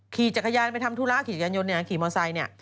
ขี่จักรยานไปทำธุระขี่จังยนต์ขี่มอไซน์